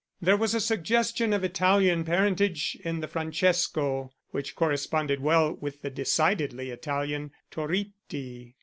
There was a suggestion of Italian parentage in the Francesco which corresponded well with the decidedly Italian Toritti.